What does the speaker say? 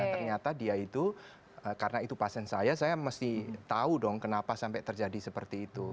ternyata dia itu karena itu pasien saya saya mesti tahu dong kenapa sampai terjadi seperti itu